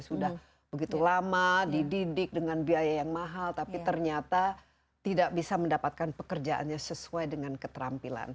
sudah begitu lama dididik dengan biaya yang mahal tapi ternyata tidak bisa mendapatkan pekerjaannya sesuai dengan keterampilan